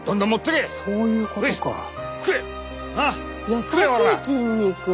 優しい筋肉！